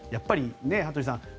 やっぱり羽鳥さん